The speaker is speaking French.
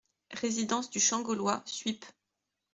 Résidence du Champ Gaulois, Suippes